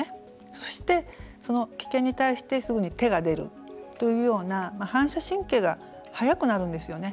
そして、その危険に対してすぐに手が出るというような反射神経が早くなるんですよね。